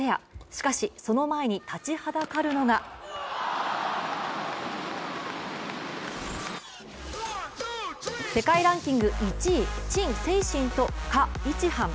しかし、その前に立ちはだかるのが世界ランキング１位、陳清晨と賈一凡。